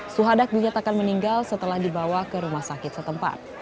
suhadak dinyatakan meninggal setelah dibawa ke rumah sakit setempat